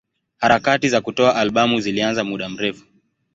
Harakati za kutoa albamu zilianza muda mrefu.